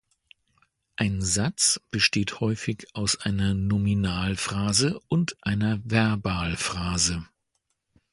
Ein Satz besteht häufig aus einer Nominalphrase und einer Verbalphrase.